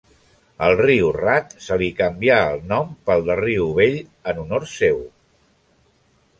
Al riu Rat se li canvià el nom pel de riu Bell en honor seu.